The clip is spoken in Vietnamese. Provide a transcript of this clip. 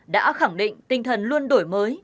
đã khẳng định tinh thần luôn đổi mới